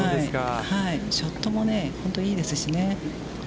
ショットも本当いいですしね。